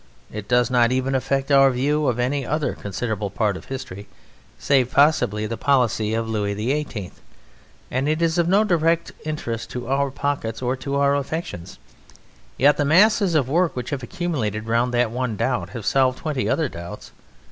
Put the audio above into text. It does not even affect our view of any other considerable part of history save possibly the policy of Louis XVIII and it is of no direct interest to our pockets or to our affections. Yet the masses of work which have accumulated round that one doubt have solved twenty other doubts.